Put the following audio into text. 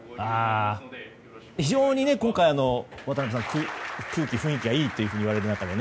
非常に今回、空気雰囲気がいいと言われる中で。